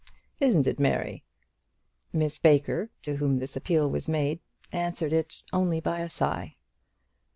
Isn't it, Mary?" Miss Baker, to whom this appeal was made, answered it only by a sigh.